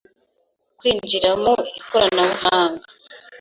kwinjira mu ikoranabuhanga